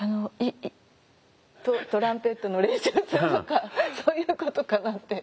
トランペットの練習をするとかそういうことかなって。